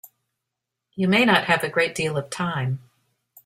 You may not have a great deal of time.